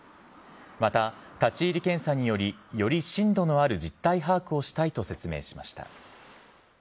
また、立ち入り検査により、より深度のある実態把握をしたいと説明しました。